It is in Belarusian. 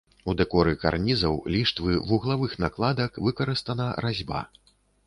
У дэкоры карнізаў, ліштвы, вуглавых накладак выкарыстана разьба.